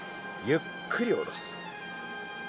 ゆっくり下ろす。